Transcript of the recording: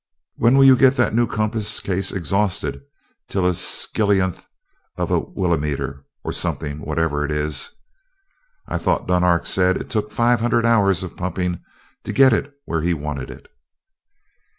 "When will you get that new compass case exhausted to a skillionth of a whillimeter or something, whatever it is? I thought Dunark said it took five hundred hours of pumping to get it where he wanted it?"